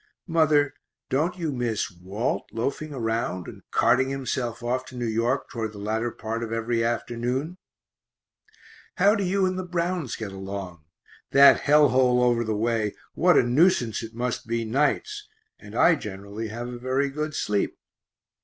Mother, don't you miss Walt loafing around, and carting himself off to New York toward the latter part of every afternoon? How do you and the Browns get along? that hell hole over the way, what a nuisance it must be nights, and I generally have a very good sleep.